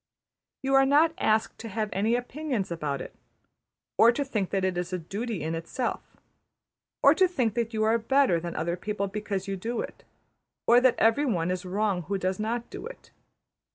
You are not asked to have any opinions about it; or to think that it is a duty in itself; or to think that you are better than other people because you do it, or that every one is wrong who does not do it.